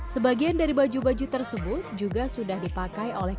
sebagian dari baju baju tersebut juga sudah dipakai oleh